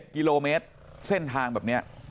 ๗กิโลเมตรเส้นทางแบบนี้